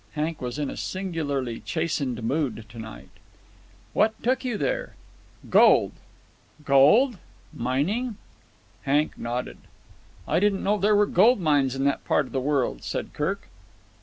Hank was in a singularly chastened mood to night. "What took you there?" "Gold." "Gold? Mining?" Hank nodded. "I didn't know there were gold mines in that part of the world," said Kirk.